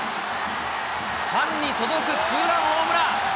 ファンに届くツーランホームラン。